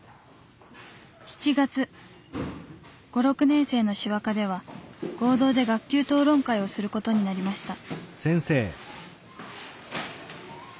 ５６年生の手話科では合同で学級討論会をする事になりました。